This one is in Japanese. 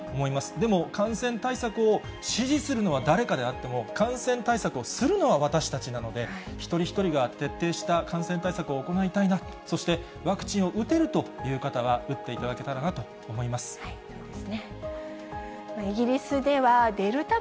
でも、感染対策を指示するのは誰かであっても、感染対策をするのは私たちなので、一人一人が徹底した感染対策を行いたいな、そして、ワクチンを打てるという方は、打っていただけたらなと思います。